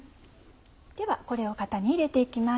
ではこれを型に入れて行きます。